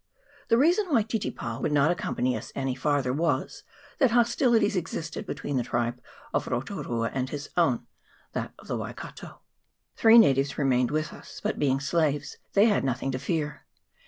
The reason why Titipa would not accom pany us any farther was, that hostilities existed between the tribe of Roturua and his own, that of the Waikato. Three natives remained with us, but, being slaves, they had nothing to fear.